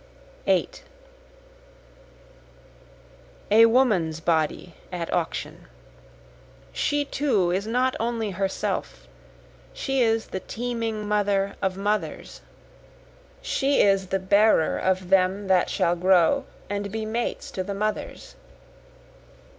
8 A woman's body at auction, She too is not only herself, she is the teeming mother of mothers, She is the bearer of them that shall grow and be mates to the mothers.